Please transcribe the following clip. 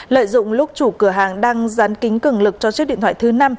lợi dụng lúc chủ cửa hàng đang dán kính cường lực cho chiếc điện thoại thứ năm